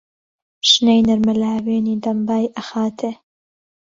شنەی نەرمە لاوێنی دەم بای ئەخاتێ.